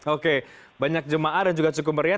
oke banyak jemaah dan juga cukup meriah